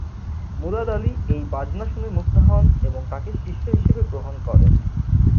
মুরাদ আলী এই বাজনা শুনে মুগ্ধ হন এবং তাঁকে শিষ্য হিসেবে গ্রহণ করেন।